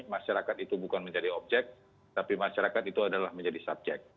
masyarakat itu bukan menjadi objek tapi masyarakat itu adalah menjadi subjek